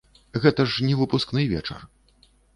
Гэта ж не выпускны вечар.